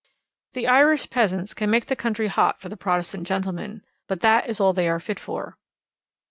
The Irish peasants can make the country hot for the Protestant gentleman, but that is all they are fit for.